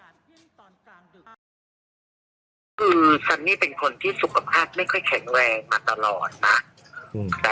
ก็คือซันนี่เป็นคนที่สุขภาพไม่ค่อยแข็งแรงมาตลอดนะ